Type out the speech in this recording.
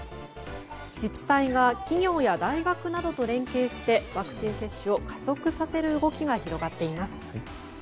自治体が企業や大学などと連携してワクチン接種を加速させる動きが広がっています。